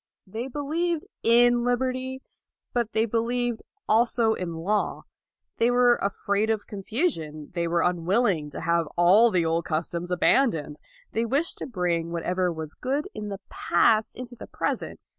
They believed in liberty, but they believed also in law. They were afraid of confusion. They were unwilling to have all the old customs abandoned. They wished to bring what ever was good in the past into the present.